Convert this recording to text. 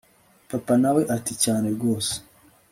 papa nawe ati cyane rwose